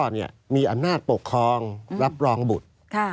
มีอำนาจปกครองรับรองบุตร